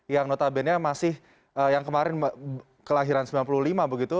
yang notabene masih yang kemarin kelahiran sembilan puluh lima begitu